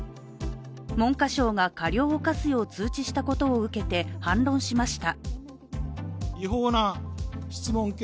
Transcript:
文科省が過料を科すよう通知したことを受けて反論しました。